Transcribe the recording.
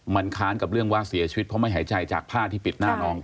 มันค้านกับเรื่องว่าเสียชีวิตเพราะไม่หายใจจากผ้าที่ปิดหน้าน้อง